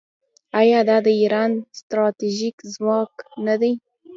آیا دا د ایران ستراتیژیک ځواک نه دی؟